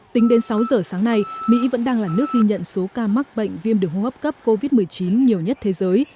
tính đến sáu giờ sáng nay mỹ vẫn đang là nước ghi nhận số ca mắc bệnh viêm đường hô hấp cấp covid một mươi chín nhiều nhất thế giới